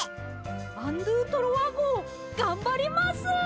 アン・ドゥ・トロワごうがんばります！